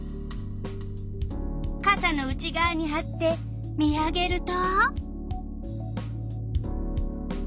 かさの内がわにはって見上げると？